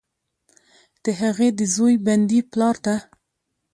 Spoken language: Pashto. د هغې، د زوی، بندي پلارته،